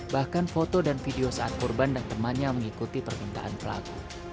bahkan foto dan video saat korban dan temannya mengikuti permintaan pelaku